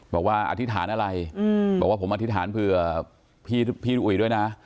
บอกว่าอธิษฐานอะไรบอกว่าผมอธิษฐานเผื่อพี่อุ๋ยด้วยนะ